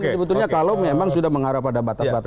sebetulnya kalau memang sudah mengarah pada batas batas